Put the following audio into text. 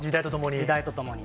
時代とともに？